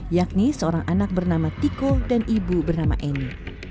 yakni seorang anak bernama tiko dan ibu bernama eni